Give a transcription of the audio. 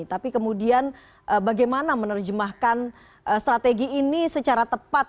tapi kemudian bagaimana menerjemahkan strategi ini secara tepat